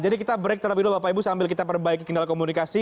jadi kita break terlebih dulu bapak ibu sambil kita perbaiki kendala komunikasi